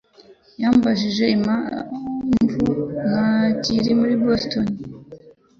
yambajije impamvu ntakiri i Boston.